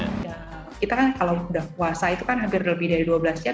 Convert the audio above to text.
kita kan kalau udah puasa itu kan hampir lebih dari dua belas jam